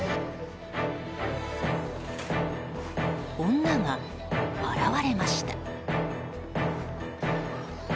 女が現れました。